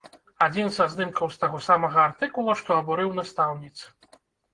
Адзін са здымкаў з таго самага артыкула, што абурыў настаўніц.